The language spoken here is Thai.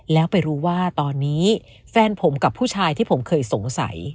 แล้วไปรู้ว่าตอนนี้แฟนผมกับผู้ชายที่ผมเคยสงสัย